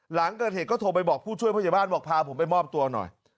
หลังเกิดเหตุก็โทรไปบอกผู้ช่วยพยาบาลบอกพาผมไปมอบตัวหน่อย